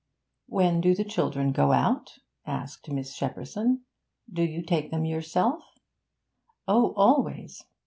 'When do the children go out?' asked Miss Shepperson. 'Do you take them yourself?' 'Oh, always!